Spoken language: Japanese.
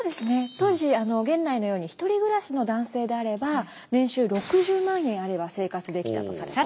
当時源内のように１人暮らしの男性であれば年収６０万円あれば生活できたとされています。